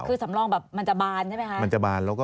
คือสำรองแบบมันจะบานใช่ไหมคะ